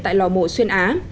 tại lò mổ xuyên á